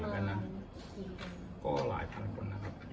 ก็หลายพันคนนะครับ